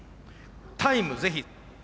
タイムぜひ。